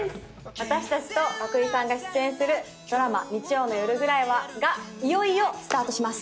私たちと和久井さんが出演するドラマ「日曜の夜ぐらいは」がいよいよスタートします！